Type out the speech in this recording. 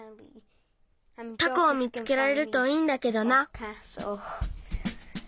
タコを見つけられるといいんだけどな。